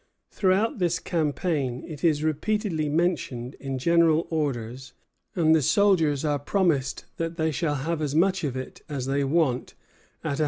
Throughout this campaign it is repeatedly mentioned in general orders, and the soldiers are promised that they shall have as much of it as they want at a halfpenny a quart.